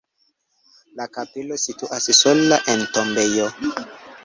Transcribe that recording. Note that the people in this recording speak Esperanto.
La kapelo situas sola en tombejo.